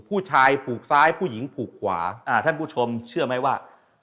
ผู้ชายผูกซ้ายผู้หญิงผูกขวาอ่าท่านผู้ชมเชื่อไหมว่า